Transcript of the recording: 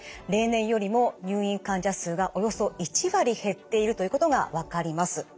例年よりも入院患者数がおよそ１割減っているということが分かります。